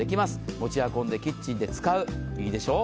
持ち運んでキッチンで使う、いいでしょう？